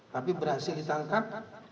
tapi berhasil ditangkap